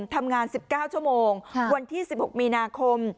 ทำงานสิบเก้าชั่วโมงค่ะวันที่สิบหกมีนาคม